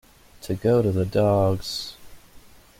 To go to the dogs.